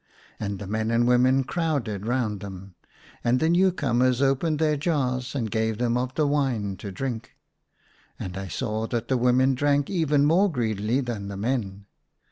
And the men and women ACROSS MY BED. 139 crowded round them, and the new comers opened their jars and gave them of the wine to drink ; and I saw that the women drank even more greedily than the men.